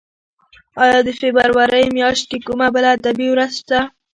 ایا د فبرورۍ میاشت کې کومه بله ادبي ورځ شته؟